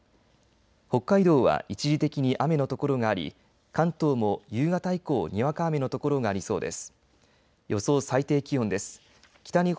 北海道は一時的に雨の所があり関東も夕方以降にわか雨の所がありそうです。